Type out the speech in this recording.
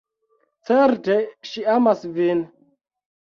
Certe ŝi amas vin!